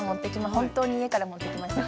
本当に家から持ってきました。